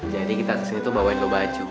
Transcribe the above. jadi kita kesini tuh bawain lo baju